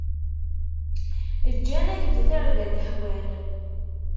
Ǧǧan-ak-d tarda leḥwal.